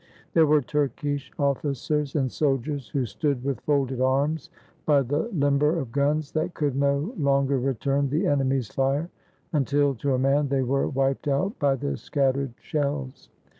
There were Turkish officers and soldiers who stood with folded arms by the limber of guns that could no 442 THE FLIGHT FROM LULE BURGAS longer return the enemy's fire, until to a man they were wiped out by the scattered shells.